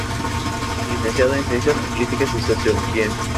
Licenciado en Ciencias Políticas y Sociología.